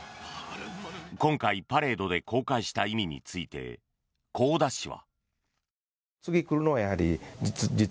今回、パレードで公開した意味について香田氏は。